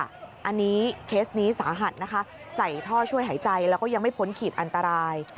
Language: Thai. อันนี้เคสนี้สาหัสนะคะใส่ท่อช่วยหายใจแล้วก็ยังไม่พ้นขีดอันตราย